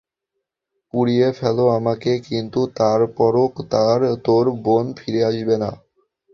পুড়িয়ে ফেল আমাকে, কিন্তু তারপরও তোর বোন ফিরে আসবে না।